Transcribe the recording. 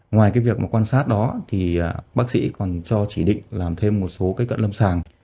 ngoài cái việc mà quan sát đó thì bác sĩ còn cho chỉ định làm thêm một số cái cận lâm sàng